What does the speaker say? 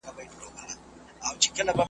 هم یې توري هم توپونه پرېښودله .